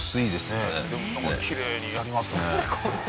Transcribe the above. ねっでもきれいにやりますね。